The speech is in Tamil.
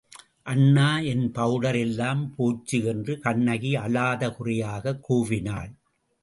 அண்ணா, என் பவுடர் எல்லாம் போச்சு என்று கண்ணகி அழாத குறையாகக் கூவினாள்.